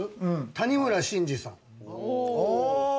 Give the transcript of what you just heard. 谷村新司さん。